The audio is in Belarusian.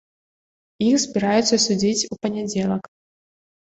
Іх збіраюцца судзіць у панядзелак.